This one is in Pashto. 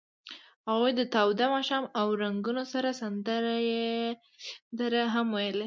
هغوی د تاوده ماښام له رنګونو سره سندرې هم ویلې.